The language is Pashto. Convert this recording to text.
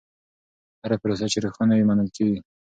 هره پروسه چې روښانه وي، منل کېږي.